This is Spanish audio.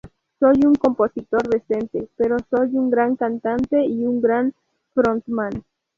Soy un compositor decente, pero soy un gran cantante y un gran frontman.